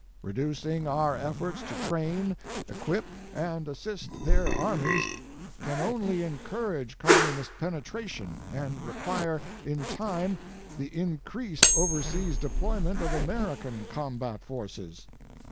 Reducing our efforts to train, equip, and assist their armies can only encourage Communist penetration and require in time the increased overseas deployment of American combat forces.